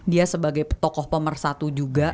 dia sebagai tokoh pemersatu juga